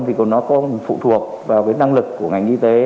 thì nó cũng phụ thuộc vào năng lực của ngành y tế